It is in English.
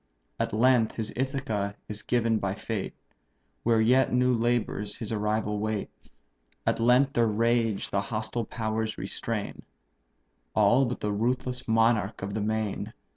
At length his Ithaca is given by fate, Where yet new labours his arrival wait; At length their rage the hostile powers restrain, All but the ruthless monarch of the main.